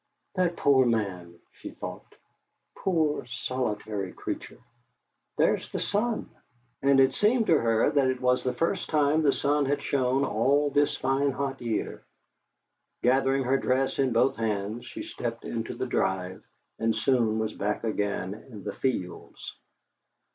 '.hat poor man!' she thought 'poor solitary creature! There's the sun!' And it seemed to her that it was the first time the sun had shone all this fine hot year. Gathering her dress in both hands, she stepped into the drive, and soon was back again in the fields.